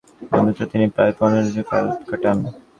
বক্তৃতান্তে তিনি প্রায় পনর মিনিট কাল প্রশ্নোত্তরদানে কাটান।